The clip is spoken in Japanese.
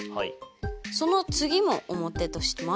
その次も表とします。